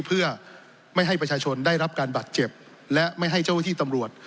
เพื่อไม่ให้ประชาชนได้รับการบัตรเจ็บและไม่ให้เจ้าที่ตำรวจ